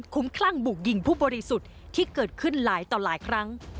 คุ้มคลั่งบุกยิงผู้บริสุทธิ์ที่เกิดขึ้นหลายต่อหลายครั้ง